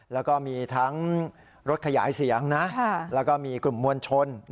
แล้วก็มีทั้งรถขยายเสียงนะแล้วก็มีกลุ่มมวลชน